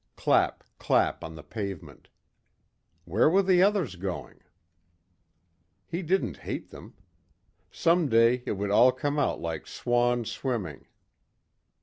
Clap, clap on the pavement. Where were the others going? He didn't hate them. Someday it would all come out like swans swimming.